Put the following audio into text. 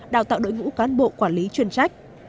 đào tạo đội ngũ cán bộ quản lý chuyên trách